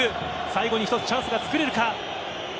最後に一つチャンスがつくれるか。